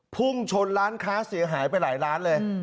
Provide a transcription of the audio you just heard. พุ่งชนร้านค้าเสียหายไปหลายร้านเลย